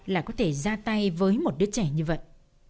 là có thể ra tay với một đứa trẻ như vậy